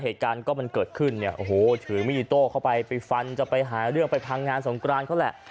เหตุการณ์ก็มันเกิดขึ้นเนี่ยโอ้โหถือมีดอิโต้เข้าไปไปฟันจะไปหาเรื่องไปพังงานสงกรานเขาแหละ